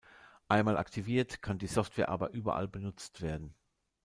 Einmal aktiviert, kann die Software aber überall benutzt werden.